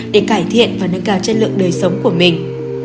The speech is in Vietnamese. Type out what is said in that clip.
để cải thiện và nâng cao chất lượng đời sống của mình